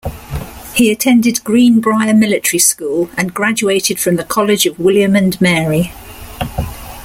He attended Greenbrier Military School and graduated from the College of William and Mary.